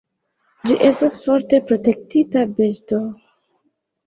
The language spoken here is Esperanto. Ĝi estas forte protektita besto.